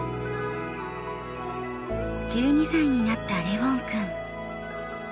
１２歳になったレウォン君。